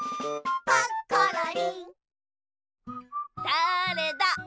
だれだ？